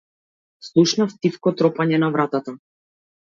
Слушнав тивко тропање на вратата.